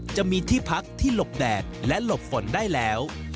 จะมีที่พักที่หลบแดดและหลบฝนได้แล้ว